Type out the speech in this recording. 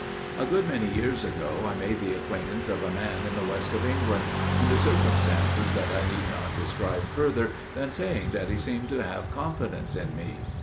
"A good many years ago I made the acquaintance of a man in the West of England, under circumstances that I need not describe further than saying that he seemed to have confidence in me.